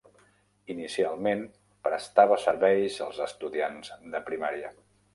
Inicialment, prestava servei als estudiants de primària.